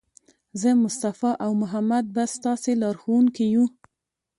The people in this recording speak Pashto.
زه، مصطفی او محمد به ستاسې لارښوونکي یو.